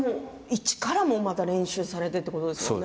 いちからまた練習されたということですよね。